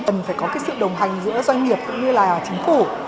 cần phải có cái sự đồng hành giữa doanh nghiệp cũng như là chính phủ